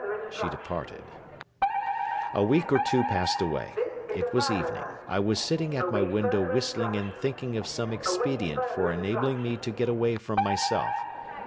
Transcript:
She departed. A week or two passed away. It was evening. I was sitting at my window whistling and thinking of some expedient for enabling me to get away from myself.